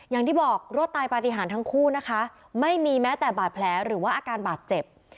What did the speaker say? อย่างที่บอกรอดตายปฏิหารทั้งคู่นะคะไม่มีแม้แต่บาดแผลหรือว่าอาการบาดเจ็บ